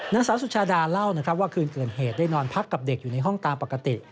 นางสาวสุชาดาเล่านะครับว่าคืนเกิดเหตุได้นอนพักกับเด็กอยู่ในห้องตามปกติ